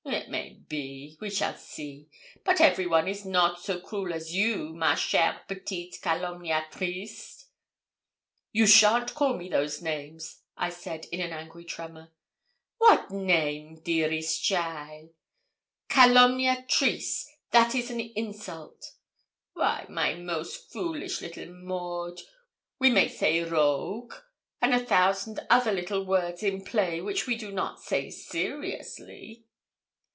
'It may be we shall see; but everyone is not so cruel as you, ma chère petite calomniatrice.' 'You shan't call me those names,' I said, in an angry tremor. 'What name, dearest cheaile?' 'Calomniatrice that is an insult.' 'Why, my most foolish little Maud, we may say rogue, and a thousand other little words in play which we do not say seriously.'